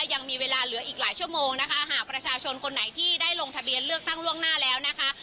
ยังมีเวลาเหลืออีกหลายชั่วโมงนะคะหากประชาชนคนไหนที่ได้ลงทะเบียนเลือกตั้งล่วงหน้าแล้วนะคะ